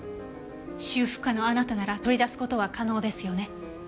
修復家のあなたなら取り出す事は可能ですよね？